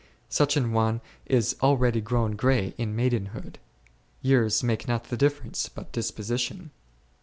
Such an one is already grown grey in maidenhood. Years make not the difference, but disposition.